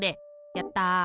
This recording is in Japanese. やった！